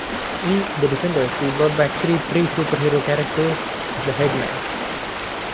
In "The Defenders," he brought back three pre-superhero characters, the Headmen.